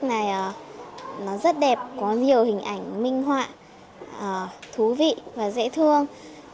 cuốn sách này nó rất đẹp có nhiều hình ảnh minh họa thú vị và dễ thương